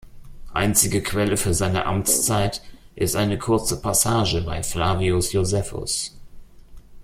Einzige Quelle für seine Amtszeit ist eine kurze Passage bei Flavius Josephus.